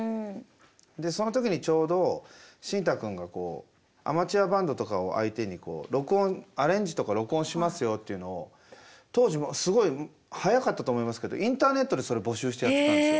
でその時にちょうどシンタくんがこうアマチュアバンドとかを相手にアレンジとか録音しますよっていうのを当時もうすごい早かったと思いますけどインターネットでそれ募集してやってたんですよ。